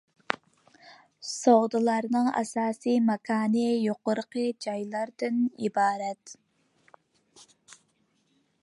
سوغدىلارنىڭ ئاساسىي ماكانى يۇقىرىقى جايلاردىن ئىبارەت.